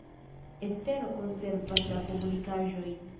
Estero konservas la komunikaĵojn.